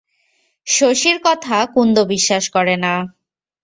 শশীর কথা কুন্দ বিশ্বাস করে না।